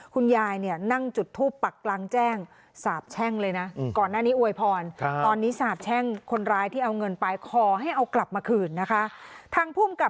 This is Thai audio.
คุณยายเนี่ยนั่งจุดทูบปักล้างแจ้งสาปแช่งเลยนะ